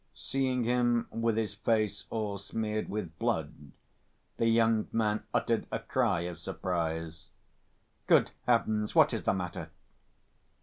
Seeing him with his face all smeared with blood, the young man uttered a cry of surprise. "Good heavens! What is the matter?"